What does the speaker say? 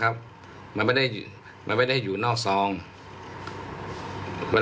เค้าบอกมาครั้งที่อื่น